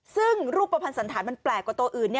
ซึ่งลูกประพันธ์สันฐานมันแปลกกว่าตัวอื่น